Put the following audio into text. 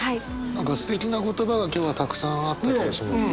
何かすてきな言葉が今日はたくさんあった気がしますね。